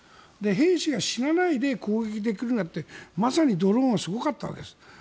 兵士が死なないで攻撃できるなんてまさにドローンはすごかったわけです。